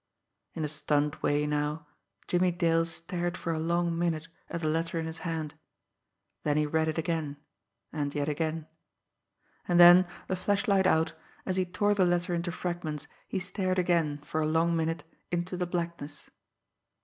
In a stunned way now, Jimmie Dale stared for a long minute at the letter in his hand then he read it again and yet again. And then, the flashlight out, as he tore the letter into fragments, he stared again, for a long minute into the blackness.